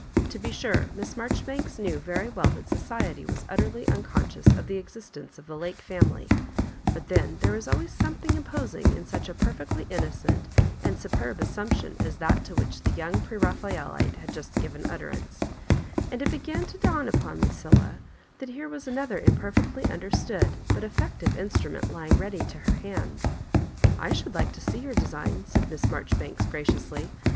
To be sure Miss Maijoribanks knew very well that society was utterly unconscious of the existence of the Lake family ; but then there is always some thing imposing in such a perfectly innocent and superb assumption as that to which the young Digitized by VjOOQIC MISS MABJOBIBANKa 56 Preraphaelite had just given utterance ; and it began to dawn upon Lucilla that here was ano ther imperlectly understood but effective instru ment lying ready to her hand. "I should like to see your design, said Miss Harjoribanks, graciously.